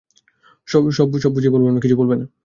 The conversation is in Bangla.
সব বুঝিয়ে বলব আমি-- কিছু বলবে না!